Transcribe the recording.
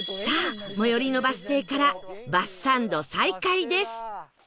さあ最寄りのバス停からバスサンド再開です